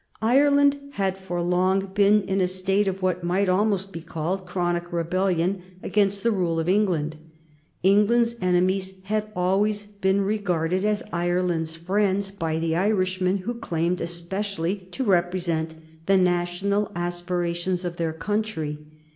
Ireland had for long been in a state of what might almost be called chronic rebellion against the rule of England. England's enemies had always been regarded as Ireland's friends by the Irishmen who claimed especially to represent the national aspirations of their country.